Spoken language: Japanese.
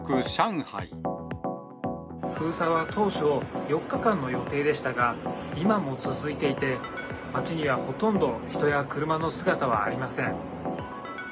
封鎖は当初、４日間の予定でしたが、今も続いていて、街にはほとんど人や車の姿がありません。